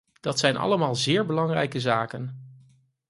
Dat zijn allemaal zeer belangrijke zaken.